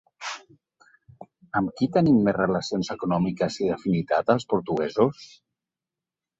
Amb qui tenim més relacions econòmiques i d’afinitat els portuguesos?